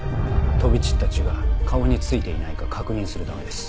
飛び散った血が顔についていないか確認するためです。